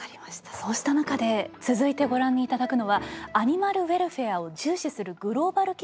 そうした中で続いてご覧いただくのはアニマルウェルフェアを重視するグローバル企業の思惑についてです。